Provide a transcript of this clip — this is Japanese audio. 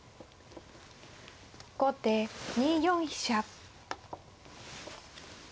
後手２四飛車。